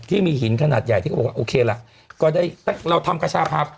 ที่มีหินขนาดใหญ่ที่ว่าโอเคแหละก็ได้เราทำกระชาภาพ